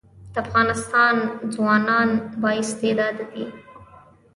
د افغانستان ځوانان با استعداده دي